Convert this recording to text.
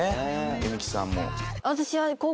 弓木さんも。